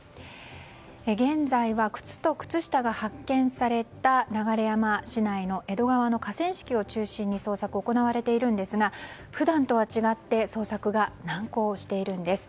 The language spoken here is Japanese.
現在は靴と靴下が発見された流山市内の江戸川の河川敷を中心に捜索が行われているんですが普段とは違って捜索が難航しているんです。